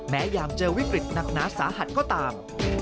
ยามเจอวิกฤตหนักหนาสาหัสก็ตาม